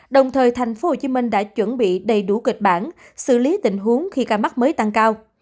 đồng thời thành phố hồ chí minh đã chuẩn bị đầy đủ kịch bản xử lý tình huống khi ca mắc mới tăng cao